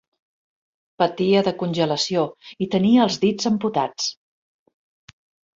Patia de congelació i tenia els dits amputats.